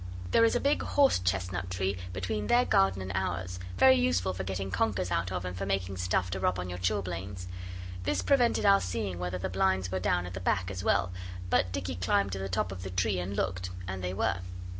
There is a big horse chestnut tree between their garden and ours, very useful for getting conkers out of and for making stuff to rub on your chilblains. This prevented our seeing whether the blinds were down at the back as well, but Dicky climbed to the top of the tree and looked, and they were.